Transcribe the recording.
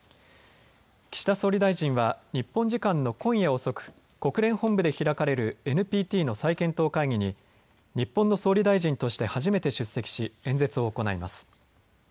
岸田総理大臣は日本時間の今夜遅く、国連本部で開かれるＮＰＴの再検討会議に日本の総理大臣として初めて出席し演説を行います。